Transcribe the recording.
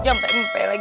eh jantan mpe mpe lagi